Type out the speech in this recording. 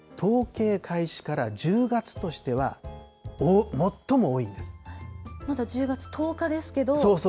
これが統計開始から１０月としてまだ１０月１０日ですけど。